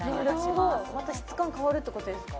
なるほどまた質感変わるってことですか？